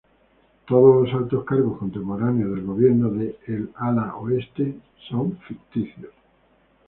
Todos los altos cargos contemporáneos del gobierno de "El ala oeste" son ficticios.